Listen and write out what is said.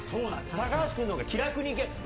高橋君のほうが気楽にいける。